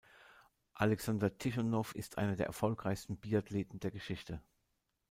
Alexander Tichonow ist einer der erfolgreichsten Biathleten der Geschichte.